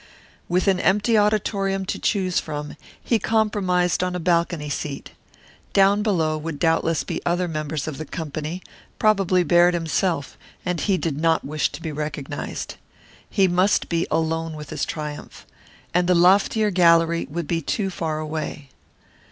With an empty auditorium to choose from, he compromised on a balcony seat. Down below would doubtless be other members of the company, probably Baird himself, and he did not wish to be recognized. He must be alone with his triumph. And the loftier gallery would be too far away.